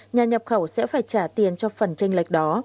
nhà nhập khẩu sẽ phải trả tiền cho phần tranh lệch đó